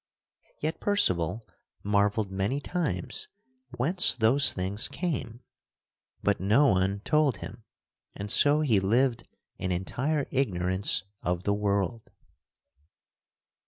Yet Percival marvelled many times whence those things came, but no one told him and so he lived in entire ignorance of the world.